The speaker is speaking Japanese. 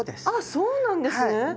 あっそうなんですね！